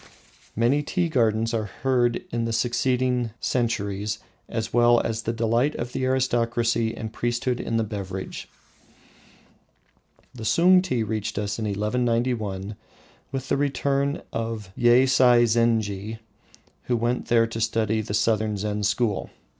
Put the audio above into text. Many tea gardens are heard of in succeeding centuries, as well as the delight of the aristocracy and priesthood in the beverage. The Sung tea reached us in 1191 with the return of Yeisai zenji, who went there to study the southern Zen school.